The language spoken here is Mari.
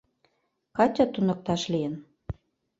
Катя туныкташ лийын.